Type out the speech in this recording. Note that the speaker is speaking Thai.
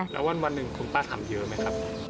แล้ววันหนึ่งคุณป้าทำเยอะไหมครับ